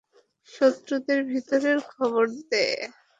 শত্রুদের ভিতরের খবর দে।